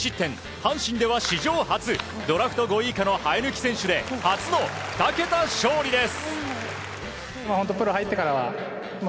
阪神では史上初ドラフト５位以下の生え抜き選手で初の２桁勝利です。